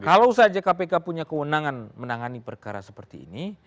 kalau saja kpk punya kewenangan menangani perkara seperti ini